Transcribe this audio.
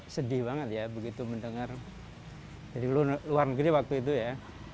sedih banget ya begitu mendengar dari luar negeri waktu itu ya